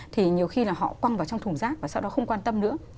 thì nhiều khi là họ quăng vào trong thùng rác và sau đó không quan tâm nữa